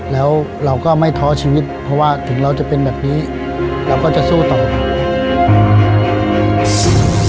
แล้วเราก็ไม่ท้อชีวิตเพราะว่าถึงเราจะเป็นแบบนี้เราก็จะสู้ต่อ